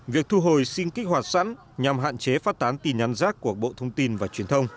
việc thu hồi xin kích hoạt sẵn nhằm hạn chế phát tán tin nhắn rác của bộ thông tin và truyền thông